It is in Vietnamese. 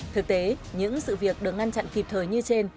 thực tế những sự việc được ngăn chặn kịp thời như trên